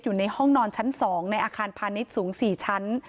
อยู่ในห้องนอนชั้น๒ในอาคารพาณิชย์สูง๔ชั้น